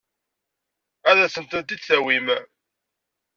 Ad asent-ten-id-tawim?